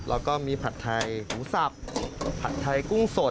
แล้วก็มีผัดไทยหมูสับผัดไทยกุ้งสด